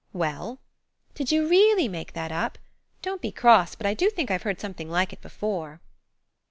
"Well?" "Did you really make that up? Don't be cross, but I do think I've heard something like it before."